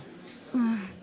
うん。